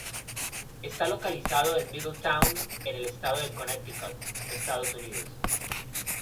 Está localizada en Middletown en el estado de Connecticut, Estados Unidos.